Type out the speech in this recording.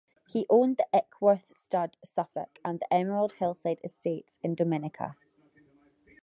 He owned the Ickworth Stud, Suffolk, and the Emerald Hillside Estates in Dominica.